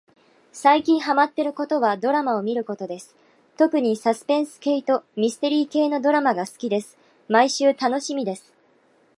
さいきんはまってることはどらまをみることですとくにさすぺんすけいとみすてりーけいのどらまがすきですまいしゅうたのしみです